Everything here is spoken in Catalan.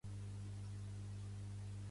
Pertany al moviment independentista la Karol?